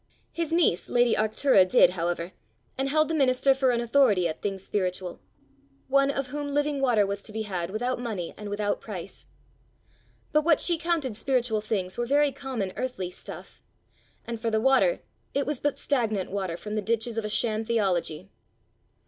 His niece, lady Arctura, did, however, and held the minister for an authority at things spiritual one of whom living water was to be had without money and without price. But what she counted spiritual things were very common earthly stuff, and for the water, it was but stagnant water from the ditches of a sham theology.